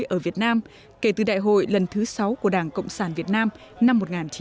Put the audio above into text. đại hội mới ở việt nam kể từ đại hội lần thứ sáu của đảng cộng sản việt nam năm một nghìn chín trăm tám mươi sáu